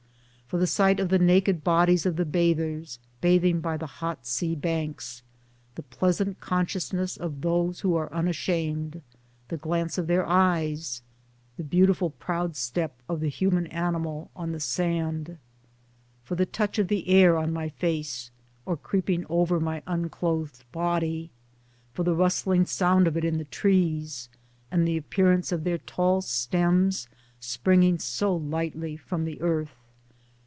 For the sight of the naked bodies of the bathers, bathing by the hot sea banks, the pleasant consciousness of those who are unashamed, the glance of their eyes, the beautiful proud step of the human animal on the sand ; For the touch of the air on my face or creeping over my unclothed body, for the rustling sound of it in the trees, and the appearance of their tall stems springing so lightly from the earth!